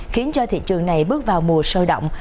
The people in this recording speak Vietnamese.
khiến cho thị trường này bước vào mùa sôi động